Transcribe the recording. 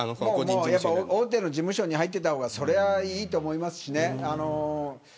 やっぱり、大手の事務所に入ってた方がそりゃいいと思いますしね。